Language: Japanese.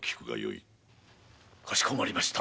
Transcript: かしこまりました！